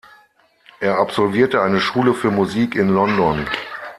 Er absolvierte eine Schule für Musik in London.